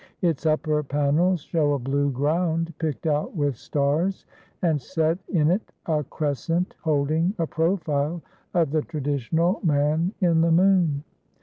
Its upper panels show a blue ground picked out with stars and set in it a crescent holding a profile of the traditional Man in the Moon.